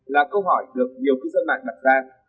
là câu hỏi được nhiều cư dân mạng đặt ra